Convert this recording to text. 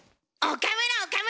岡村岡村！